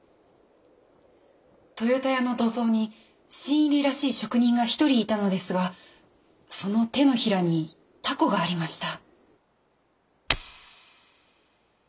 豊田屋の土蔵に新入りらしい職人が１人いたのですがその手のひらにたこがありました。